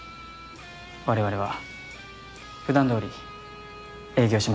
我々はふだんどおり営業しましょう。